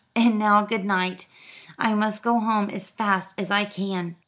"And now good night; I must go home as fast as I can."